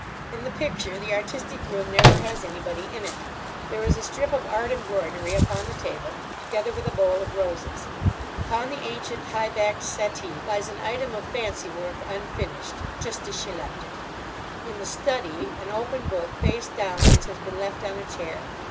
In the picture the artistic room never has anybody in it. There is a strip of art embroidery upon the table, together with a bowl of roses. Upon the ancient high backed settee lies an item of fancy work, unfinished—just as she left it. In the "study" an open book, face downwards, has been left on a chair.